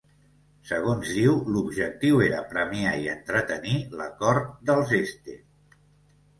Segons diu, l'objectiu era premiar i entretenir la cort dels Este.